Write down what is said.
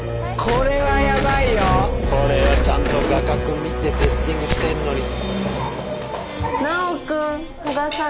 これはちゃんと画角見てセッティングしてんのに。